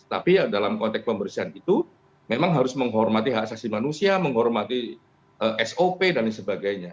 tapi dalam konteks pembersihan itu memang harus menghormati hak asasi manusia menghormati sop dan sebagainya